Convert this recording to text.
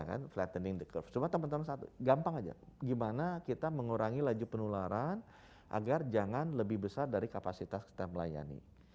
gampang saja gimana kita mengurangi laju penularan agar jangan lebih besar dari kapasitas kita melayani